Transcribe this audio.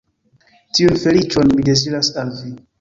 Tiun feliĉon mi deziras al vi.